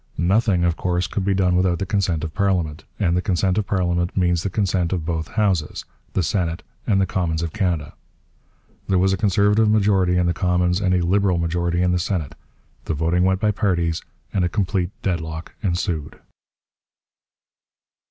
Nothing, of course, could be done without the consent of parliament; and the consent of parliament means the consent of both Houses, the Senate and the Commons of Canada. There was a Conservative majority in the Commons and a Liberal majority in the Senate. The voting went by parties, and a complete deadlock ensued.